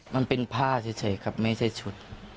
มันเป็นผ้าเฉยครับไม่ใช่ชุด